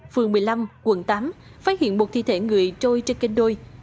phường một mươi năm quận tám phát hiện một thi thể người trôi trên kênh đôi